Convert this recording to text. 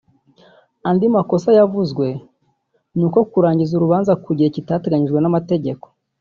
Andi makosa yavuzwe ni nko kurangiza urubanza ku gihe kitateganyijwe n’amategeko